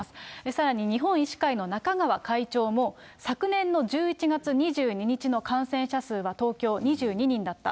さらに、日本医師会の中川会長も、昨年の１１月２２日の感染者数は、東京２２人だった。